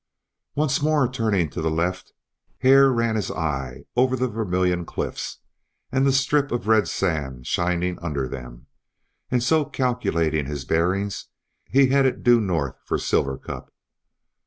Once more turning to the left Hare ran his eye over the Vermillion Cliffs, and the strip of red sand shining under them, and so calculating his bearings he headed due north for Silver Cup.